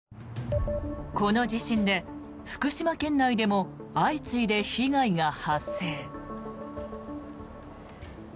この地震で福島県内でも相次いで被害が発生。